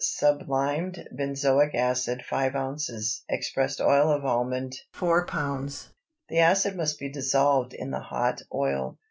Sublimed benzoic acid 5 oz. Expressed oil of almond 4 lb. The acid must be dissolved in the hot oil.